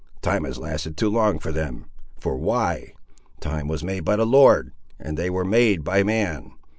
Time has lasted too long for them. For why? Time was made by the Lord, and they were made by man.